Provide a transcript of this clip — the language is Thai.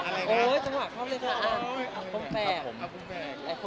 โอ้ยสงสัยชอบเล่นเธออ้าวคงแปลก